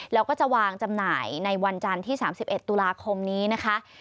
แล้วก็จะวางจำหน่ายในวันจันทร์ที่๓๑ตุลาคมนี้นะคะ